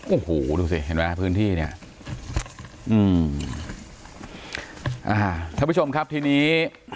โอ้โหดูสิเห็นไหมฮะพื้นที่เนี้ยอืมอ่าท่านผู้ชมครับทีนี้